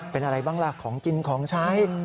เป็นอะไรบ้างล่ะของกินของใช้